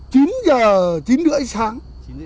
chín h chín h ba mươi sáng